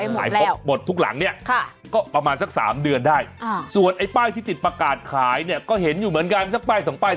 ขายครบหมดทุกหลังเนี่ยก็ประมาณสัก๓เดือนได้ส่วนไอ้ป้ายที่ติดประกาศขายเนี่ยก็เห็นอยู่เหมือนกันสักป้ายสองป้าย